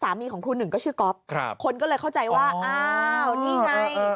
ของครูหนึ่งก็ชื่อก๊อฟครับคนก็เลยเข้าใจว่าอ้าวนี่ไง